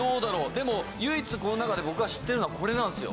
でも唯一この中で僕が知っているのはこれなんですよ。